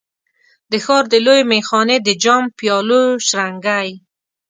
د ښار د لویې میخانې د جام، پیالو شرنګی